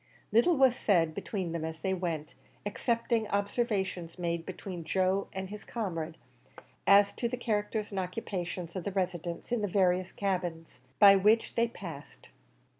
Little was said between them as they went, excepting observations made between Joe and his comrade, as to the characters and occupations of the residents in the various cabins by which they passed.